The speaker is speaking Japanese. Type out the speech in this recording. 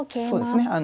そうですね